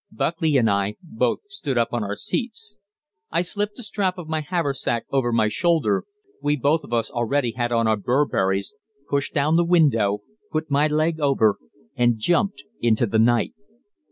Buckley and I both stood up on our seats. I slipped the strap of my haversack over my shoulder we both of us already had on our Burberrys pushed down the window, put my leg over, and jumped into the night.